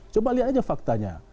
coba lihat saja faktanya